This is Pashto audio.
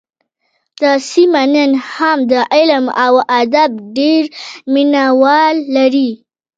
دا سیمه نن هم د علم او ادب ډېر مینه وال لري